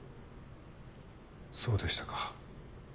そうでしたか。